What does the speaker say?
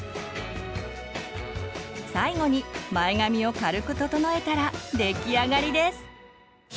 最後に前髪を軽く整えたら出来上がりです。